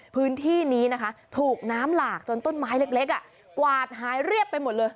พื้นที่นี้นะคะถูกน้ำหลากจนต้นไม้เล็กกวาดหายเรียบไปหมดเลย